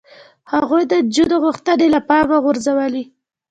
هغوی د نجونو غوښتنې له پامه غورځولې.